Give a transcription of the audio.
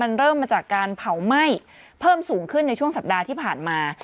มันเริ่มมาจากการเผาไหม้เพิ่มสูงขึ้นในช่วงสัปดาห์ที่ผ่านมา